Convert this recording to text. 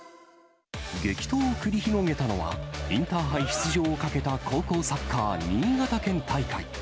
激闘を繰り広げたのは、インターハイ出場をかけた高校サッカー新潟県大会。